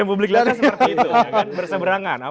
publik lihatnya seperti itu berseberangan